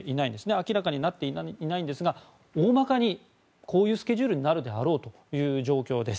明らかになってはいないんですがおおまかにこういうスケジュールになるであろうという状況です。